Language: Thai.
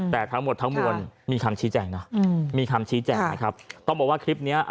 แต่ทั้งหมดทั้งหมวลมีคำชี้แจ่งต้องบอกว่าคลิปนี้